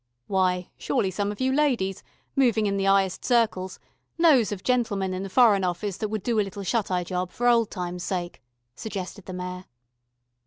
"Why, surely some of you ladies, movin' in the 'ighest circles, knows of gentlemen in the Foreign Office that would do a little shut eye job, for old times' sake," suggested the Mayor.